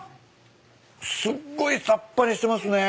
すっごいさっぱりしてますね。